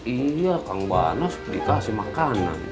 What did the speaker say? iya kang banas dikasih makanan